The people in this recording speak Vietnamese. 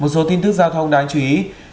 một số tin tức giao thông đáng chú ý